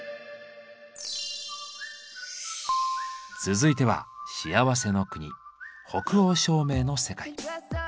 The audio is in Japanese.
続いては幸せの国北欧照明の世界。